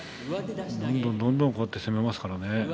どんどんどんどんこうやって攻めますからね。